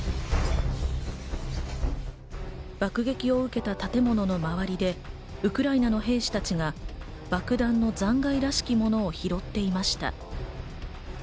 爆撃を受けた建物の周りでウクライナの兵士たちが爆弾の残骸らしきものを拾っていました。